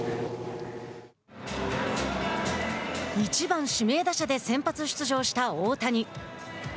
１番指名打者で先発出場した大谷。